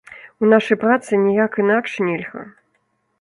У нашай працы ніяк інакш нельга.